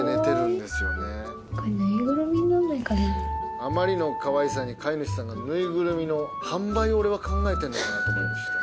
あまりのかわいさに飼い主さんがぬいぐるみの販売を俺は考えてんのかなと思いました。